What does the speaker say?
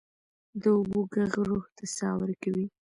د اوبو ږغ روح ته ساه ورکوي.